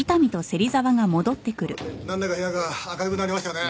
なんだか部屋が明るくなりましたよねえ。